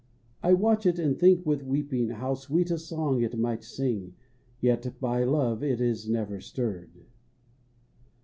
I watch it and think with weeping How sweet a song it might sing; Yet by love it is never stirred.